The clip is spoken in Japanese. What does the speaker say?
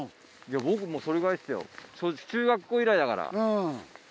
僕もそれぐらいっすよ中学校以来だから。